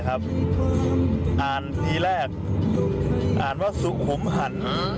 อ่านทีแรกอ่านว่าสุขุมหัน